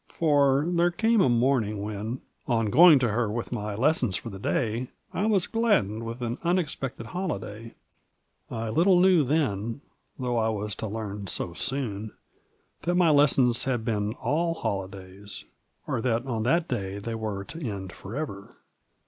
For there came a morning when, on going to her with my lessons for the day, I was gladdened with an uneJScpected holiday. I little knew then — though I was to learn so soon — ^that my lessons had been all holidays, or that on that day they were to end forever.